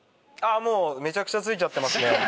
ああもうめちゃくちゃ付いちゃってますね。